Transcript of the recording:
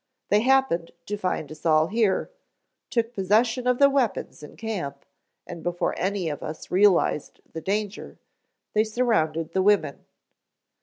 They happened to find us all here; took possession of the weapons in camp, and before any of us realized the danger, they surrounded the women."